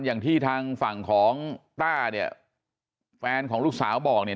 อย่างที่ทางฝั่งของต้าเนี่ยแฟนของลูกสาวบอกเนี่ย